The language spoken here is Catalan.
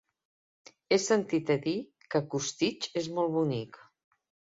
He sentit a dir que Costitx és molt bonic.